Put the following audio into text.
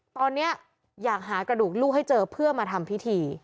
ตอนนี้อยากหากระดูกลูกให้เจอเพื่อมาทำพิธี